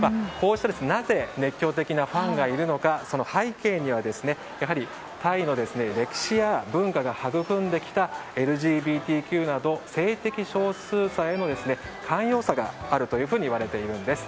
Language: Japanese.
なぜ熱狂的なファンがいるのかその背景には、やはりタイの歴史や文化が育んできたＬＧＢＴＱなど性的少数者への寛容さがあるといわれているんです。